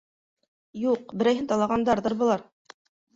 Юҡ, берәйһен талағандарҙыр былар.